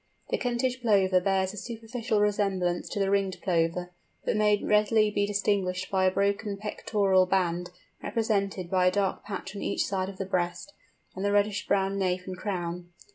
The Kentish Plover bears a superficial resemblance to the Ringed Plover, but may readily be distinguished by the broken pectoral band, represented by a dark patch on each side of the breast, and the reddish brown nape and crown.